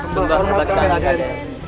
semoga berbahagia rai raden